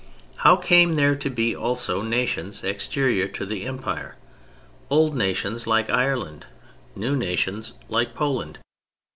How came there to be also nations exterior to the Empire; old nations like Ireland, new nations like Poland?